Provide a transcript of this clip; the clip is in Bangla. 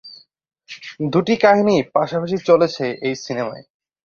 দুটি কাহিনী পাশাপাশি চলেছে এই সিনেমায়।